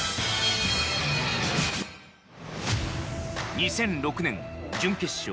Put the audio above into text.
２００６年、準決勝。